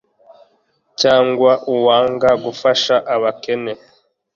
cyangwa uwanga gufasha abakene